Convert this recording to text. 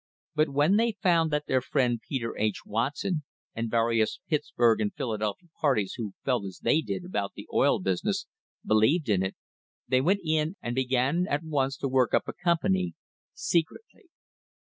* But when they found that their friend Peter H. Watson, and various Philadelphia and Pittsburg parties who felt as they did about the oil business, believed in it, they went in and began at once to work up a company — secretly.